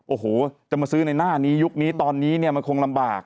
โอ้โหจะมาซื้อในหน้านี้ยุคนี้ตอนนี้เนี่ยมันคงลำบาก